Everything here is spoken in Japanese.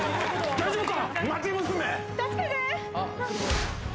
大丈夫か？